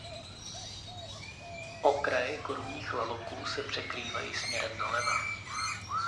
Okraje korunních laloků se překrývají směrem doleva.